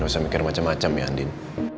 gak usah mikir macem macem ya andin